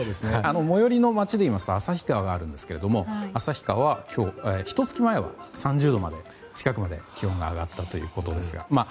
最寄りの街でいいますと旭川があるんですけども旭川は、ひと月前は３０度近くまで気温が上がったということで。